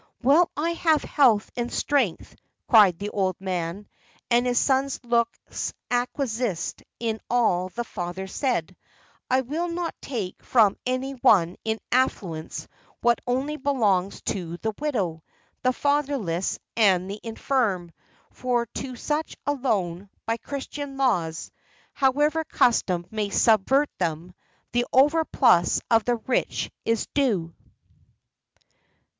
"While I have health and strength," cried the old man, and his son's looks acquiesced in all the father said, "I will not take from any one in affluence what only belongs to the widow, the fatherless, and the infirm; for to such alone, by Christian laws however custom may subvert them the overplus of the rich is due."